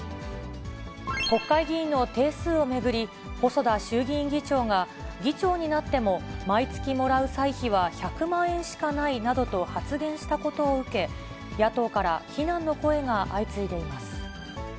国会議員の定数を巡り、細田衆議院議長が議長になっても、毎月もらう歳費は１００万円しかないなどと発言したことを受け、野党から非難の声が相次いでいます。